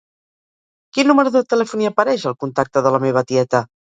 Quin número de telèfon hi apareix al contacte de la meva tieta?